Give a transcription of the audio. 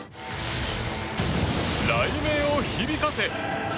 雷鳴を響かせ。